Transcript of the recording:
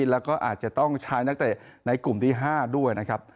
แล้วก็อาจจะต้องใช้นักเตะในกลุ่มที่๕ด้วยนะครับ